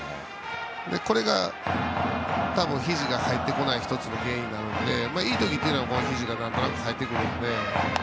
これが多分、ひじが入ってこない１つの原因なのでいい時はひじがなんとなく入ってくるので。